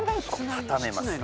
畳めます。